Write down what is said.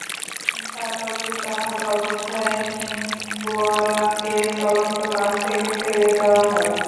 তারপর গুরুতর আহত অবস্থায় নির্ভয়াকে চলন্ত বাস থেকে ফেলে দেওয়া হয়।